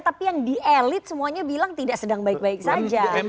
tapi yang di elit semuanya bilang tidak sedang baik baik saja